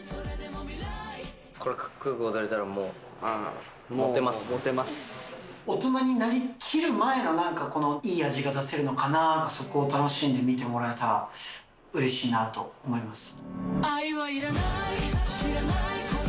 これ、大人になりきる前の、なんかこのいい味が出せるのかなと、そこを楽しんで見てもらえたらうれしいなと思います。